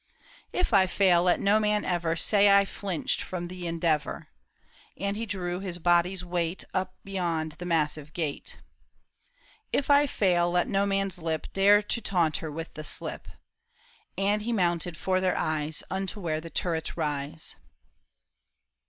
" If I fail, let no man ever Say I flinched from the endeavor ;" And he drew his body's weight Up beyond the massive gate. THE TOWER OF BOUVERIE, 2/ '' If I fail, let no man's lip Dare to taunt her witii the slip ;" And he mounted 'fore their eyes Unto where the turrets rise.